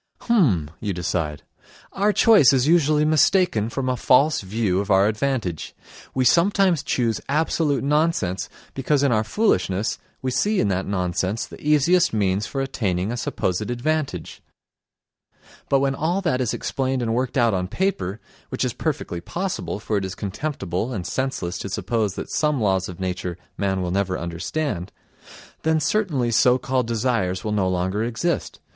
"H'm!" you decide. "Our choice is usually mistaken from a false view of our advantage. We sometimes choose absolute nonsense because in our foolishness we see in that nonsense the easiest means for attaining a supposed advantage. But when all that is explained and worked out on paper (which is perfectly possible, for it is contemptible and senseless to suppose that some laws of nature man will never understand), then certainly so called desires will no longer exist.